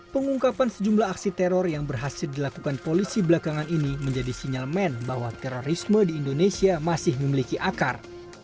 pengungkapan sejumlah aksi teror yang berhasil dilakukan polisi belakangan ini menjadi sinyal men bahwa terorisme di indonesia masih memiliki akar